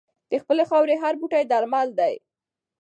د خپلې خاورې هر بوټی درمل دی.